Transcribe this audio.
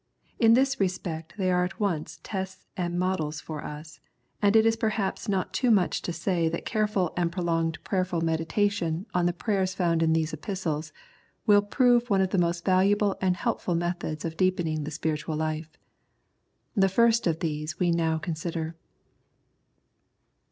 In this respect they are at once tests and models for us ; and it is perhaps not too much to say that careful and prolonged 57 The Prayers of St. Paul prayerful meditation on the prayers found in these Epistles will prove one of the most valuable and helpful methods of deepening the spiritual life. The first of these we now consider.